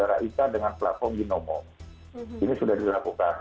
untuk menyelusuri terus kemana aliran dana yang dilakukan oleh sd